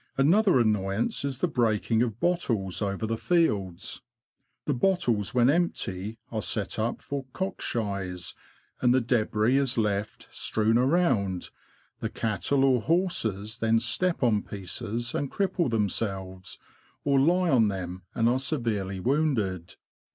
Another annoyance is the break ing of bottles over the fields. The bottles, when empty, are set up for " cock shies,'^ and the debris is left strewn around ; the cattle or horses then step on pieces and cripple themselves, or lie on them, and PREPARATIONS FOR THE TRIP. 23 are severely wounded.